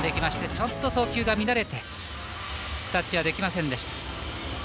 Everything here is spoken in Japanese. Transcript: ちょっと送球が乱れてタッチはできませんでした。